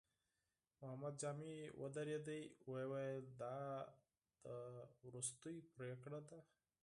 محمد جامي ودرېد، ويې ويل: دا دې وروستۍ پرېکړه ده؟